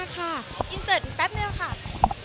ขอบคุณครับ